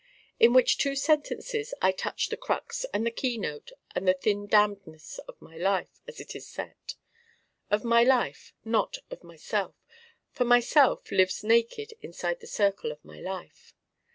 In which two sentences I touch the crux and the keynote and the thin damnedness of my life as it is set: of my life, not of myself, for myself lives naked inside the circle of my life.